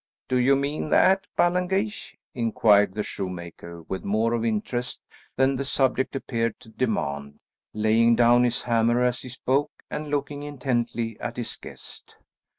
"Do you mean that, Ballengeich?" inquired the shoemaker, with more of interest than the subject appeared to demand, laying down his hammer as he spoke, and looking intently at his guest.